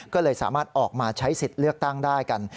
ก็เลยสามารถออกมาใช้สิทธิ์เลือกตั้งได้กัน